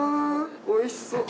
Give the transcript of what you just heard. おいしそう！